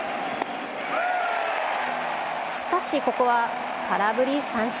しかしここは空振り三振。